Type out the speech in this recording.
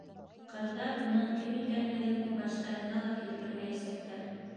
Ҡырҙа уның кем икәнлеген баштарына ла килтермәйәсәктәр.